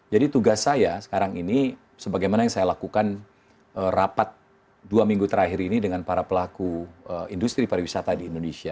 jadi tugas saya sekarang ini sebagaimana yang saya lakukan rapat dua minggu terakhir ini dengan para pelaku industri pariwisata di indonesia